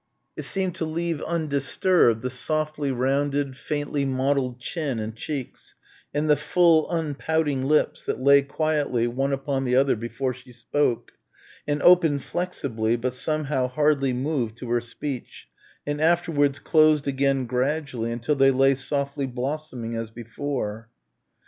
It seemed to leave undisturbed the softly rounded, faintly mottled chin and cheeks and the full unpouting lips that lay quietly one upon the other before she spoke, and opened flexibly but somehow hardly moved to her speech and afterwards closed again gradually until they lay softly blossoming as before.